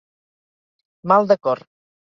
Mal de cor.